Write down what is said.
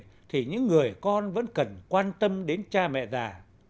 vì thế những người con vẫn cần quan tâm đến cha mẹ già